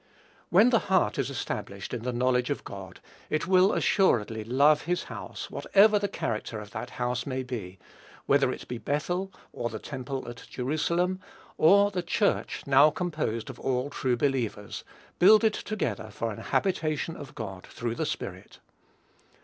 When the heart is established in the knowledge of God, it will assuredly love his house, whatever the character of that house may be, whether it be Bethel, or the temple at Jerusalem, or the Church now composed of all true believers, "builded together for an habitation of God through the Spirit."